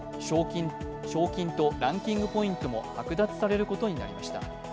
賞金とランキングポイントも剥奪されることになりました。